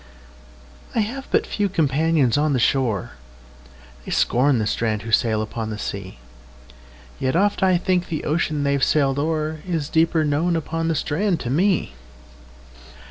I have but few companions on the shore:They scorn the strand who sail upon the sea; Yet oft I think the ocean they've sailed o'erIs deeper known upon the strand to me.